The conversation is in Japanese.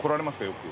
よく。